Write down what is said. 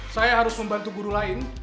saya harus membantu guru lain